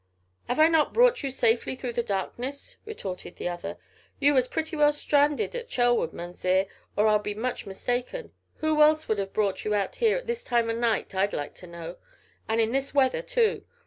"'Ave I not brought you safely through the darkness?" retorted the other; "you was pretty well ztranded at Chelwood, Mounzeer, or I be much mistaken. Who else would 'ave brought you out 'ere at this time o' night, I'd like to know and in this weather too?